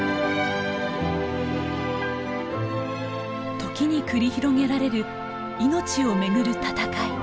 時に繰り広げられる命をめぐる闘い。